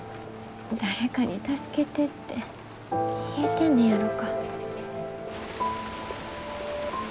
誰かに助けてって言えてんねやろか。